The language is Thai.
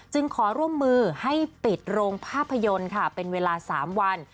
ขอร่วมมือให้ปิดโรงภาพยนตร์ค่ะเป็นเวลา๓วัน